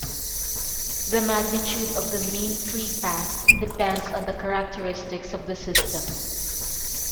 The magnitude of the mean free path depends on the characteristics of the system.